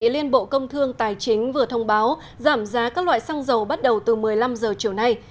liên bộ công thương tài chính vừa thông báo giảm giá các loại xăng dầu bắt đầu từ một mươi năm h chiều nay